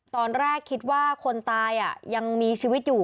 ตอนแรกคิดว่าคนตายยังมีชีวิตอยู่